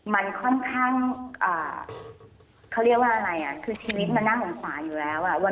มันค่อนข้างคือชีวิตมันนั่งอ่อนขวาอยู่แล้วอ่ะ